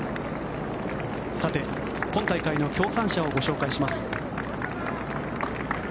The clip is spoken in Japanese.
さて、今大会の協賛社をご紹介します。